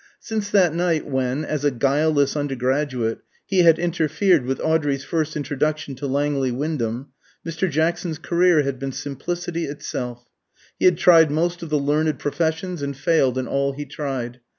Since that night when, as a guileless undergraduate, he had interfered with Audrey's first introduction to Langley Wyndham, Mr. Jackson's career had been simplicity itself. He had tried most of the learned professions, and failed in all he tried.